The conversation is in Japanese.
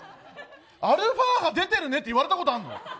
アルファ波出てるねって言われたことあるの？